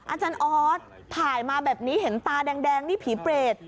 อาจารย์ออสถ่ายมาแบบนี้เห็นตาแดงนี่ผีเปรต